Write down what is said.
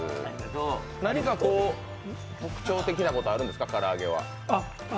何か特徴的なことはあるんですか、から揚げは？